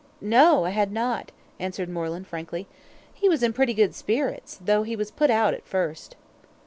"No, I had not," answered Moreland, frankly. "He was in pretty good spirits, though he was put out at first."